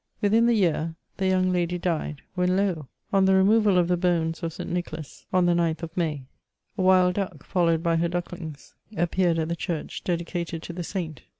Within the year the young lady died ; when lo ! on the re moval of the bones of Saint Nicholas, on the 9th of May, a vrild duck, followed by her ducklings, appeared at the chiu*ch dedicated to the saint.